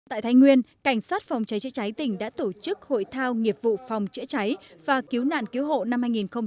tại thái nguyên cảnh sát phòng cháy chữa cháy tỉnh đã tổ chức hội thao nghiệp vụ phòng cháy chữa cháy và cứu nạn cứu hộ năm hai nghìn một mươi chín